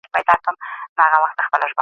کابل د هیواد په زړه کې پروت دی.